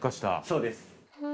そうです。